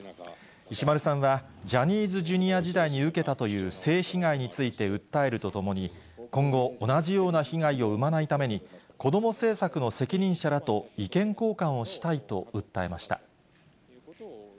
石丸さんは、ジャニーズＪｒ．時代に受けたという性被害について訴えるとともに、今後、同じような被害を生まないために、こども政策の責任者らと意見交換をしたいと訴えました。